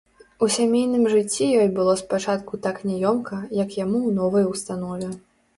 У сямейным жыцці ёй было спачатку так няёмка, як яму ў новай установе.